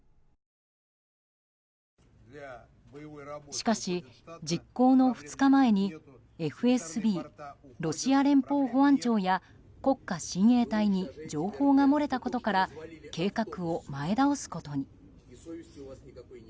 しかし、実行の２日前にＦＳＢ・ロシア連邦保安庁や国家親衛隊に情報が漏れたことから計画を前倒すことに。